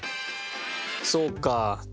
そうか。